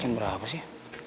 kan jam berapa sih